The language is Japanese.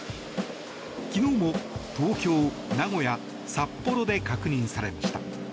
昨日も東京、名古屋、札幌で確認されました。